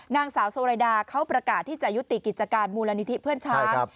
นางสาวโซไรดาเขาประกาศที่จะยุติกิจการมูลนิธิเพื่อนช้าง